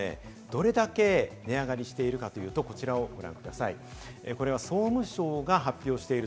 マヨネーズがどれだけ値上がりしてるのかというと、こちらをご覧ください。